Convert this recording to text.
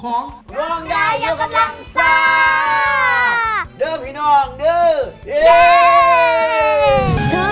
รองไดอย่างกำลังสร้าง